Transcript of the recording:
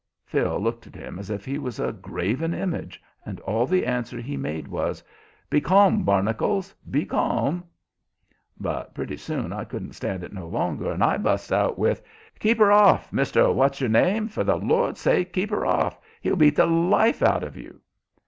Phil looked at him as if he was a graven image, and all the answer he made was; "Be calm, Barnacles, be calm!" But pretty soon I couldn't stand it no longer, and I busts out with: "Keep her off, Mr. What's your name! For the Lord's sake, keep her off! He'll beat the life out of you!"